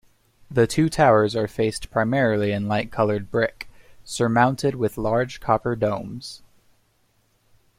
The two towers are faced primarily in light-colored brick, surmounted with large copper domes.